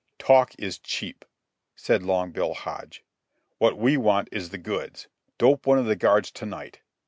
"Talk is cheap," said Long Bill Hodge. "What we want is the goods. Dope one of the guards to night.